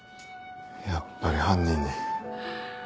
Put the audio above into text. やっぱり犯人に。